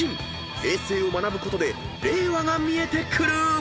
平成を学ぶことで令和が見えてくる］